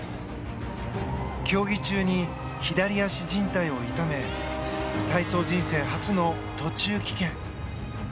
競技中に左足じん帯を痛め体操人生初の途中棄権。